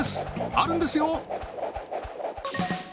あるんですよ！